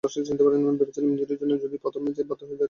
ভেবেছিলাম ইনজুরির জন্য যদি প্রথম ম্যাচেই বাদ দেয় তাহলে কেমন দেখাবে।